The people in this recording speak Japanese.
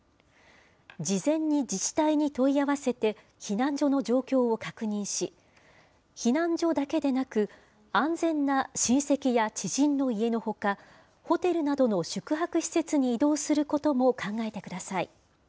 事前に自治体に問い合わせて、避難所の状況を確認し、避難所だけでなく、安全な親戚や知人の家のほか、ホテルなどの宿泊施設に移動することも考えてください。